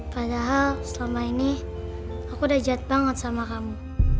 padahal selama ini aku udah jet banget sama kamu